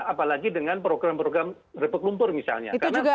apalagi dengan program program reput lumpur misalnya